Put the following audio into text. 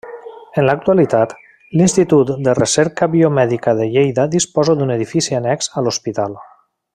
En l'actualitat, l'Institut de Recerca Biomèdica de Lleida disposa d'un edifici annex a l'hospital.